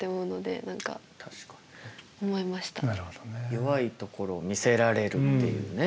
弱いところを見せられるっていうね。